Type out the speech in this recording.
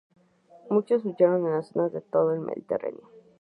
Muchos huyeron a las zonas de todo el Mediterráneo.